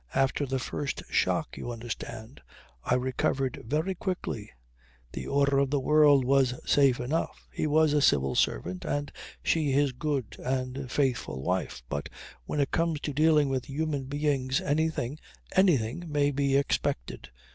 After the first shock, you understand, I recovered very quickly. The order of the world was safe enough. He was a civil servant and she his good and faithful wife. But when it comes to dealing with human beings anything, anything may be expected.